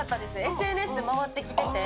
ＳＮＳで回ってきてて。